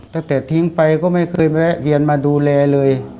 ตั้งแต่ทิ้งไปก็ไม่เคยแวะเวียนมาดูแลเลย